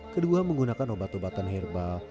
kedua menggunakan obat obatan herbal